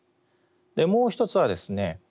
もう一つはですね